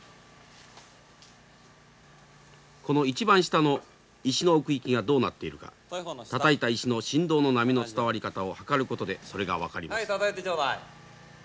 この一番下の石の奥行きがどうなっているかたたいた石の振動の波の伝わり方を測ることでそれが分かります。